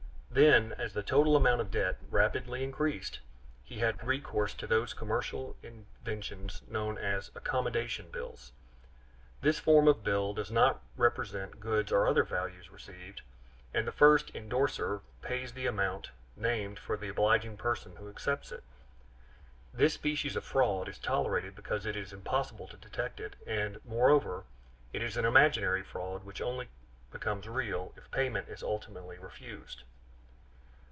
Then, as the total amount of debt rapidly increased, he had recourse to those commercial inventions known as accommodation bills. This form of bill does not represent goods or other value received, and the first indorser pays the amount named for the obliging person who accepts it. This species of fraud is tolerated because it is impossible to detect it, and, moreover, it is an imaginary fraud which only becomes real if payment is ultimately refused.